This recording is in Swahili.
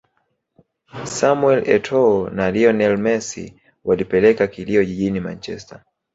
Samuel Etoâo na Lionel Messi walipeleka kilio jijini Manchesterr